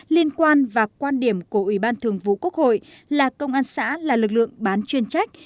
liên quan và quan điểm của ủy ban thường vụ quốc hội là công an xã là lực lượng bán chuyên trách